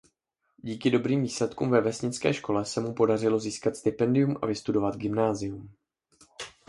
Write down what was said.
Díky dobrým výsledkům ve vesnické škole se mu podařilo získat stipendium a vystudovat gymnázium.